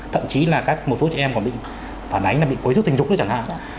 thậm chí là một số chị em còn bị quấy rút tình dục chẳng hạn